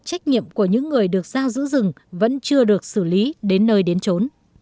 các rừng vẫn chưa được xử lý đến nơi đến trốn